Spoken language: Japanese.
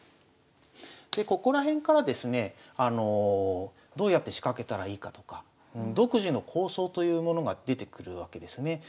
でここら辺からですねどうやって仕掛けたらいいかとか独自の構想というものが出てくるわけですね。